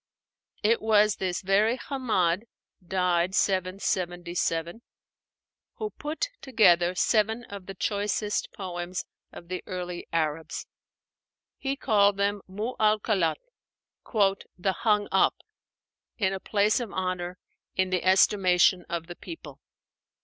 It was this very Hammád (died 777) who put together seven of the choicest poems of the early Arabs. He called them 'Mu 'allakât,' "the hung up" (in a place of honor, in the estimation of the people).